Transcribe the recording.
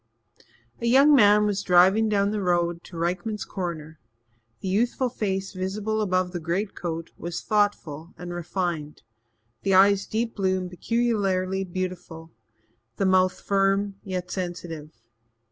A young man was driving down the road to Rykman's Corner; the youthful face visible above the greatcoat was thoughtful and refined, the eyes deep blue and peculiarly beautiful, the mouth firm yet sensitive.